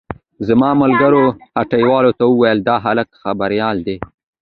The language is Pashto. زما ملګرو هټيوالو ته وويل دا هلک خبريال دی.